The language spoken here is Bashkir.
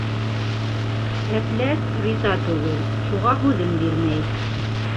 Әпләс риза түгел, шуға һүҙен бирмәй: